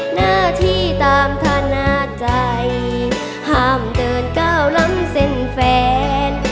หน้าที่ตามธนาใจห้ามเดินก้าวล้ำเส้นแฟน